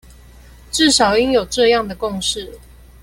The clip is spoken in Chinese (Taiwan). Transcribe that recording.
至少應有這樣的共識